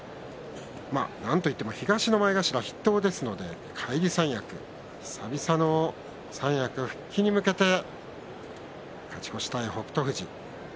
なんといっても東の前頭の筆頭ですので返り三役久々の三役復帰に向けて勝ち越したい北勝富士。